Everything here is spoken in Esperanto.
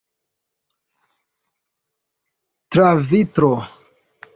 Tra vitro.